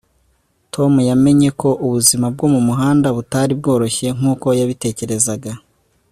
tom yamenye ko ubuzima bwo mumuhanda butari bworoshye nkuko yabitekerezaga